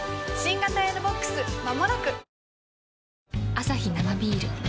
アサヒ生ビール